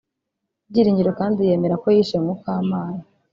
Byiringiro kandi yemera ko yishe Mukamana